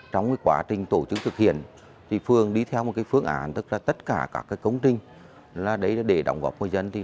trong quá trình tổ chức thực hiện phương đi theo một phương án tất cả các công trình để đóng góp người dân